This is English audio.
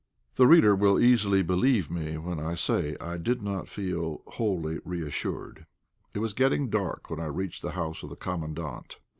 The reader will easily believe me when I say that I did not feel wholly reassured. It was getting dark when I reached the house of the Commandant.